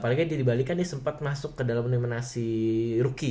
apalagi dia di bali kan dia sempat masuk ke dalam nominasi rookie